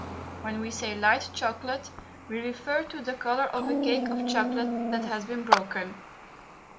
When we say light chocolate we refer to the colour of a cake of chocolate that has been broken.